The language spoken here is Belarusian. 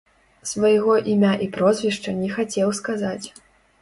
Свайго імя і прозвішча не хацеў сказаць.